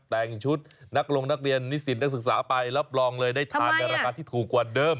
แต่งชุดนักลงนักเรียนนิสิตนักศึกษาไปรับรองเลยได้ทานในราคาที่ถูกกว่าเดิม